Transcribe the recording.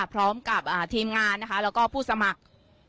พร้อมกับทีมงานนะคะแล้วก็ผู้สมัคร